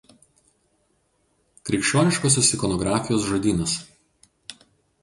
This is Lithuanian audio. Krikščioniškosios ikonografijos žodynas.